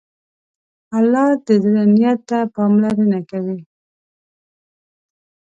الله د زړه نیت ته پاملرنه کوي.